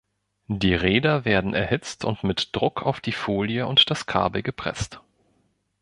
Die Räder werden erhitzt und mit Druck auf die Folie und das Kabel gepresst.